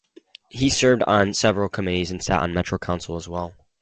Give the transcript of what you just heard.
He served on several committees and sat on Metro Council as well.